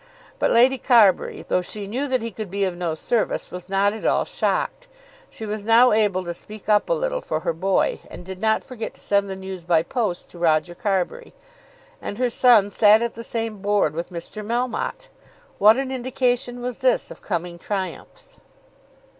But Lady Carbury, though she knew that he could be of no service, was not at all shocked. She was now able to speak up a little for her boy, and did not forget to send the news by post to Roger Carbury. And her son sat at the same Board with Mr. Melmotte! What an indication was this of coming triumphs!